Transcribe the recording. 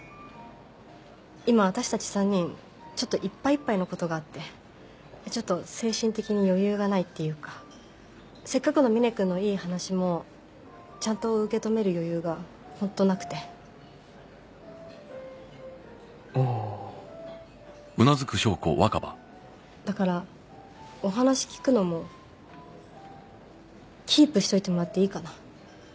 今私たち３人ちょっといっぱいいっぱいのことがあってちょっと精神的に余裕がないっていうかせっかくのみね君のいい話もちゃんと受け止める余裕が本当なくてああーだからお話聞くのもキープしといてもらっていいかな？